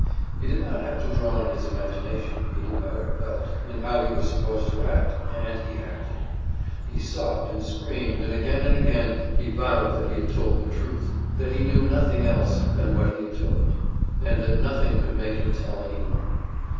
He did not have to draw on his imagination; he knew how it felt, and how he was supposed to act, and he acted. He sobbed and screamed, and again and again he vowed that he had told the truth, that he knew nothing else than what he had told, and that nothing could make him tell any more.